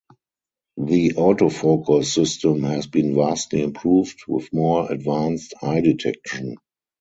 The autofocus system has been vastly improved with more advanced eye detection.